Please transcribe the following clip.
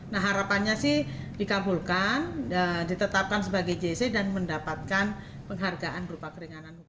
nah harapannya sih dikabulkan ditetapkan sebagai jc dan mendapatkan penghargaan berupa keringanan hukum